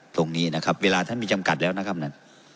ตรงนี้นะครับเวลาท่านมีจำกัดแล้วนะครับนั่น